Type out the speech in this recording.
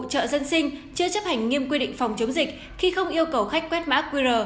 chợ dân sinh chưa chấp hành nghiêm quy định phòng chống dịch khi không yêu cầu khách quét mã qr